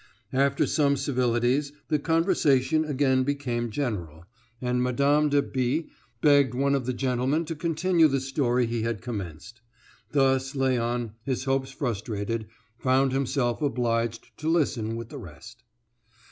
After some civilities the conversation again became general, and Mme. de B. begged one of the gentlemen to continue the story he had commenced. Thus Léon, his hopes frustrated, found himself obliged to listen with the rest.